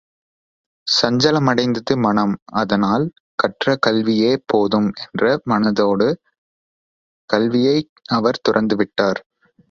சஞ்சலமடைந்தது மனம் அதனால், கற்ற கல்வியே போதும் என்ற மனதோடு கல்வியை அவர் துறந்து விட்டார்.